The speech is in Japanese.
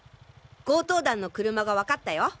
強盗団の車が分かったよ。